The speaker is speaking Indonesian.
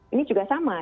ini juga sama